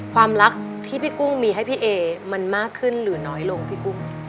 ความรักที่พี่กุ้งมีให้พี่เอมันมากขึ้นหรือน้อยลงพี่กุ้ง